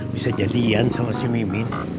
bisa jadian sama si mimit